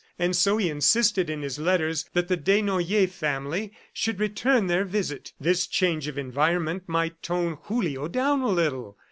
And so he insisted in his letters that the Desnoyers family should return their visit. This change of environment might tone Julio down a little.